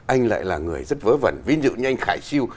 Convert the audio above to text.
anh lại là người rất vớ vẩn ví dụ như anh khải siêu